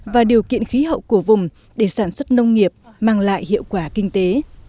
và điều kiện khí hậu của vùng để sản xuất nông nghiệp mang lại hiệu quả kinh tế